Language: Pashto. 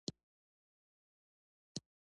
زردالو د افغانستان د چاپیریال ساتنې لپاره ډېر مهم دي.